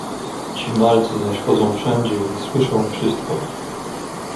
"Ci malcy zaś chodzą wszędzie i słyszą wszystko."